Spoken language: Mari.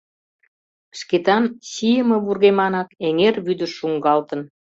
Шкетан чийыме вургеманак эҥер вӱдыш шуҥгалтын.